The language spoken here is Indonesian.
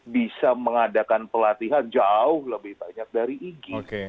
bisa mengadakan pelatihan jauh lebih banyak dari igi